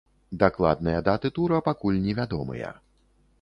Дакладныя даты тура пакуль невядомыя.